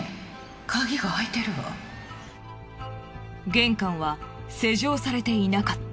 玄関は施錠されていなかった。